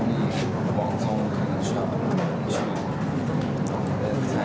มีความสงสัยมีความสงสัยมีความสงสัย